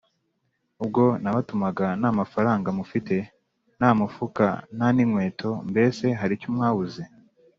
“ubwo nabatumaga nta mafaranga mufite, nta mufuka nta n’inkweto, mbese hari icyo mwabuze?